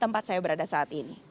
tempat saya berada saat ini